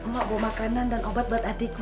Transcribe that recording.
mak bawa makanan dan obat buat adikmu